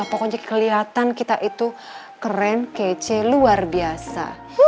pokoknya kelihatan kita itu keren kece luar biasa